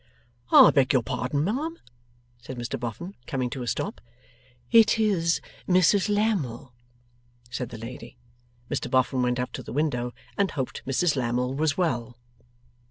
'I beg your pardon, Ma'am?' said Mr Boffin, coming to a stop. 'It is Mrs Lammle,' said the lady. Mr Boffin went up to the window, and hoped Mrs Lammle was well.